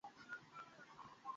ঐটা সত্য নয়।